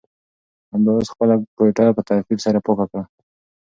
همدا اوس خپله کوټه په ترتیب سره پاکه کړه.